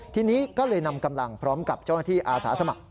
ทีนี้ก็เลยนำกำลังพร้อมกับเจ้าหน้าที่อาสาสมัคร